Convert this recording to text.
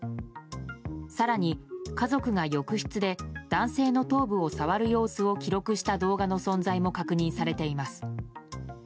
更に家族が浴室で男性の頭部を触る様子を記録した動画の存在も確認されています。